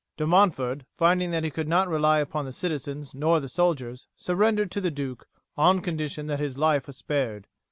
De Montford, finding that he could rely neither upon the citizens nor the soldiers, surrendered to the duke on condition that his life was spared.